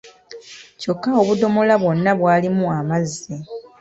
Kyokka obudomola bwonna bwalimu amazzi.